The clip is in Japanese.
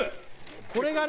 これがね